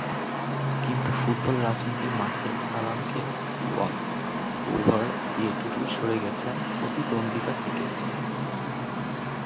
কিন্তু ফুটবল রাজনীতির মাঠে সালামকে ওয়াকওভার দিয়ে টুটুল সরে গেছেন প্রতিদ্বন্দ্বিতা থেকে।